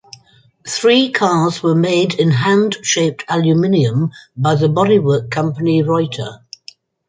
Three cars were made in hand shaped aluminium by the bodywork company Reutter.